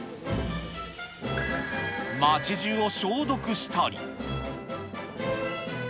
街じゅうを消毒したり。